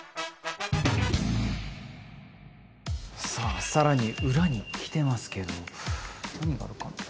さあ更に裏に来てますけど何があるかな？